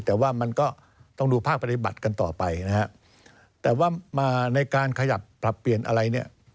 แต่ว่ามันก็ต้องดูภาคปฏิบัติกันต่อไปนะฮะแต่ว่ามาในการขยับปรับเปลี่ยนอะไรเนี่ย